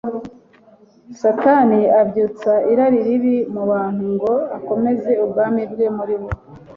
Satani abyutsa irari ribi mu bantu ngo akomeze ubwami bwe muri bo.